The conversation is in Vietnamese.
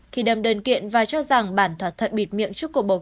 khi đâm đơn kiện và cho rằng bản thỏa thuận bịt miệng trước cuộc bầu cử